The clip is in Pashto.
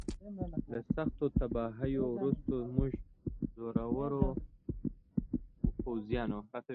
له سختو تباهیو وروسته زموږ زړورو پوځیانو.